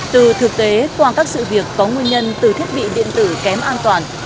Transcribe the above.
từ thực tế qua các sự việc có nguyên nhân từ thiết bị điện tử kém an toàn